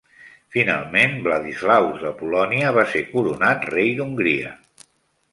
Finalment, Vladislaus de Polònia va ser coronat Rei d'Hongria.